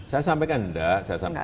saya sampaikan enggak saya sampaikan enggak